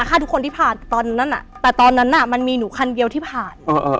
ฆ่าทุกคนที่ผ่านตอนนั้นแต่ตอนนั้นน่ะมันมีหนูคันเดียวที่ผ่าน